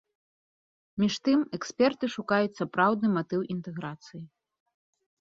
Між тым, эксперты шукаюць сапраўдны матыў інтэграцыі.